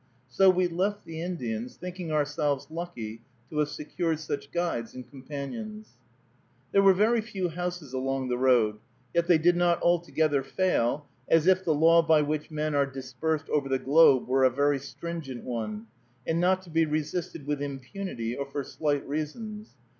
So we left the Indians, thinking ourselves lucky to have secured such guides and companions. There were very few houses along the road, yet they did not altogether fail, as if the law by which men are dispersed over the globe were a very stringent one, and not to be resisted with impunity or for slight reasons.